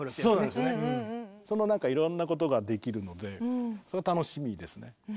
そのなんかいろんなことができるのでそれが楽しみですね。